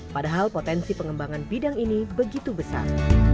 padahal potensi pengembangan bidang ini begitu besar